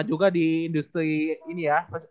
juga di industri ini ya